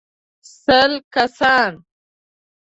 سل کسان.